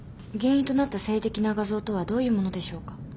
原因となった性的な画像とはどういう物でしょうか？